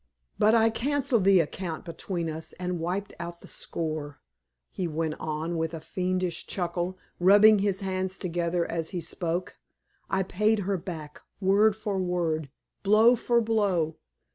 But I canceled the account between us and wiped out the score!" he went on, with a fiendish chuckle, rubbing his hands together as he spoke. "I paid her back, word for word, blow for blow!